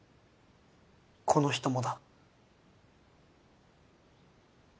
この人もだ。